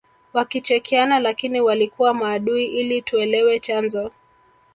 wakichekeana lakini walikuwa maadui ili tuelewe chanzo